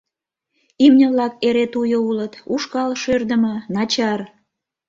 Имне-влак эре туйо улыт, ушкал шӧрдымӧ, начар.